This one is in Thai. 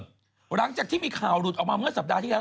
หลังจากที่มีข่าวหลุดออกมาเมื่อสัปดาห์ที่แล้ว